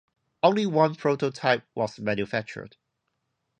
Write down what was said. Only one prototype was manufactured.